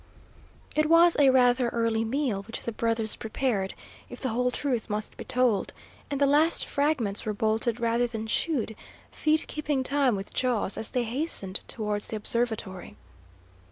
It was a rather early meal which the brothers prepared, if the whole truth must be told; and the last fragments were bolted rather than chewed, feet keeping time with jaws, as they hastened towards the observatory.